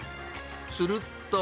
すると。